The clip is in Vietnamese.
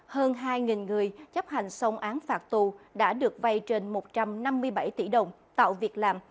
hơn hai người chấp hành xong án phạt tù đã được vay trên một trăm năm mươi bảy tỷ đồng tạo việc làm